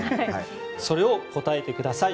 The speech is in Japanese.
それを答えてください。